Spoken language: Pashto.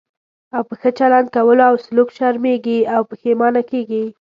او په ښه چلند کولو او سلوک شرمېږي او پښېمانه کېږي.